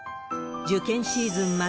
受験シーズン